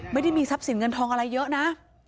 ไม่ได้มีทรัพย์สินเงินทองอะไรเยอะนะ